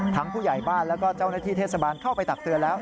ผู้ใหญ่บ้านแล้วก็เจ้าหน้าที่เทศบาลเข้าไปตักเตือนแล้ว